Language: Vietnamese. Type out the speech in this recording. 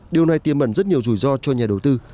điều này tiêm mẩn rất nhiều rủi ro cho nhà đầu tư